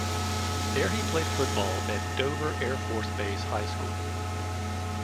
There he played football at Dover Air Force Base High School.